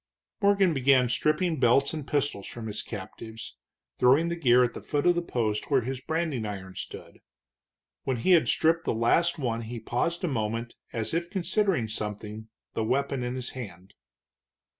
Morgan began stripping belts and pistols from his captives, throwing the gear at the foot of the post where his branding iron stood. When he had stripped the last one he paused a moment as if considering something, the weapon in his hand.